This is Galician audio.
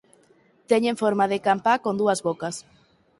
Teñen forma de campá con dúas bocas.